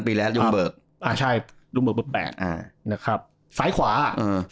ยุโรปเบิกอ่ะใช่บ่าแปดอ่านะครับซ้ายขวาอ่ะอืม